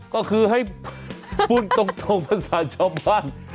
ก็คือให้พูดตรงภาษาชาวบ้าน